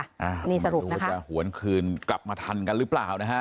อ้าวไม่รู้ว่าจะหวนคืนกลับมาทันกันหรือเปล่านะฮะ